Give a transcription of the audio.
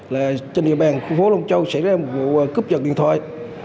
là trên địa bàn khu phố long châu xảy ra một vụ cướp giật điện thoại